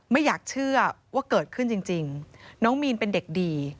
ไม่อยากเชื่อว่าเกิดขึ้นจริงน้องมีนเป็นเด็กดี